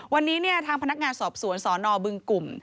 วันนี้ทางพนักงานสอบสวนสนบึงกลุ่ม